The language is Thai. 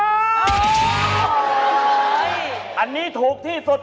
อันนี้ถูกที่สุด